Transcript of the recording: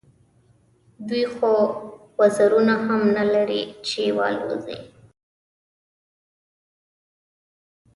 دوی خو وزرونه هم نه لري چې والوزي.